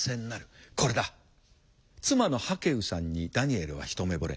妻のハケウさんにダニエルは一目ぼれ。